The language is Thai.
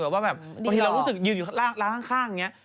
บางทีเรารู้สึกยืนอยู่ล่างข้าง